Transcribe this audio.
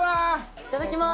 いただきます